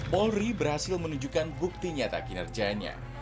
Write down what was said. polri berhasil menunjukkan bukti nyata kinerjanya